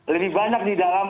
lebih banyak di dalam